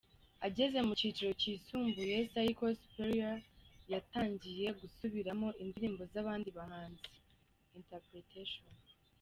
Ageze mucyiciro kisumbuye” Cycle Superieur” yatangiye gusubiramo indirimbo z’abandi bahanzi”interpretation.